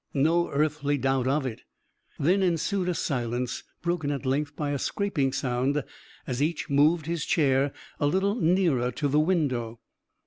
"No earthly doubt of it." Then ensued a silence, broken at length by a scraping sound as each moved his chair a little nearer to the window.